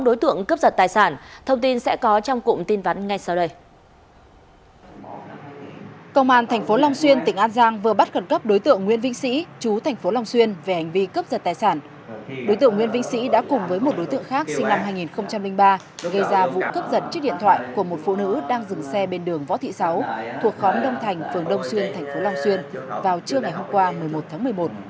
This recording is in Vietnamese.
đối tượng nguyên vinh sĩ đã cùng với một đối tượng khác sinh năm hai nghìn ba gây ra vụ cướp dẫn chiếc điện thoại của một phụ nữ đang dừng xe bên đường võ thị sáu thuộc khóm đông thành phường đông xuyên tp long xuyên vào trưa ngày hôm qua một mươi một tháng một mươi một